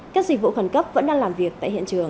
các dịch vụ khẩn cấp vẫn đang làm việc tại hiện trường